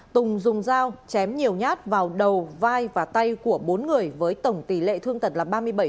tùng dùng dao chém nhiều nhát vào đầu vai và tay của bốn người với tổng tỷ lệ thương tật là ba mươi bảy